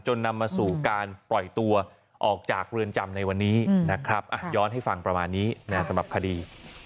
นำมาสู่การปล่อยตัวออกจากเรือนจำในวันนี้นะครับย้อนให้ฟังประมาณนี้สำหรับคดี